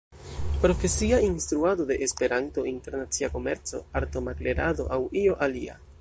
profesia instruado de Esperanto, internacia komerco, arto-maklerado aŭ io alia.